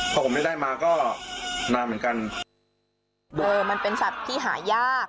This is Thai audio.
พอผมไม่ได้มาก็นานเหมือนกันเออมันเป็นสัตว์ที่หายาก